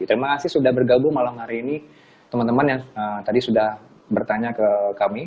terima kasih sudah bergabung malam hari ini teman teman yang tadi sudah bertanya ke kami